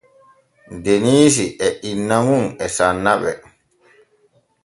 Deniisi e inna mum e sanna ɓe.